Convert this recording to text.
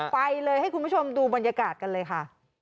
ไปเลยให้คุณผู้ชมดูบรรยากาศกันเลยค่ะ